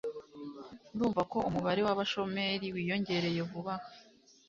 ndumva ko umubare w'abashomeri wiyongereye vuba aha